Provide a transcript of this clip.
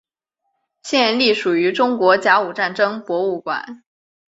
现隶属中国甲午战争博物馆。